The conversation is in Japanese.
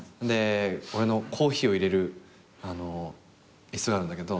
俺のコーヒーを入れる椅子があるんだけど。